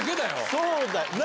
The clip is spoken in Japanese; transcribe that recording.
そうだよね。